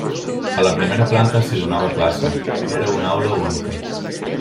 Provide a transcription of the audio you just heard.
A la primera planta s'hi donava classe, era una aula única.